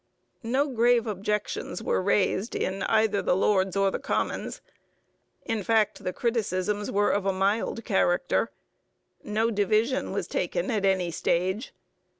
No grave objections were raised in either the Lords or the Commons. In fact, the criticisms were of a mild character. No division was taken at any stage.